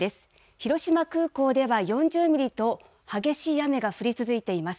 広島空港では、４０ミリと、激しい雨が降り続いています。